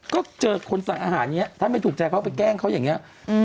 ก็เจอคนสั่งอาหารอย่างนี้ถ้าไม่ถูกใจเขาไปแกล้งเขาอย่างนี้